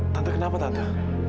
tante kenapa tante